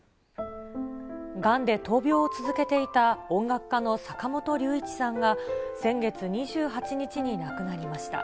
がんで闘病を続けていた音楽家の坂本龍一さんが、先月２８日に亡くなりました。